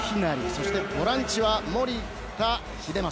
そしてボランチは、守田英正。